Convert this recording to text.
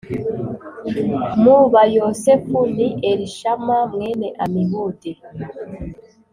mu Bayosefu ni Elishama mwene Amihudi